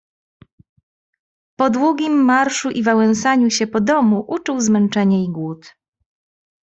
"Po długim marszu i wałęsaniu się po domu uczuł zmęczenie i głód."